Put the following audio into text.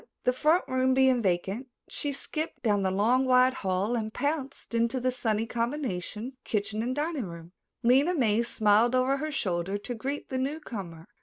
The front room being vacant, she skipped down the long, wide hall and pounced into the sunny combination kitchen and dining room. Lena May smiled over her shoulder to greet the newcomer.